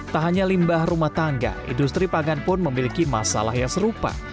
tak hanya limbah rumah tangga industri pangan pun memiliki masalah yang serupa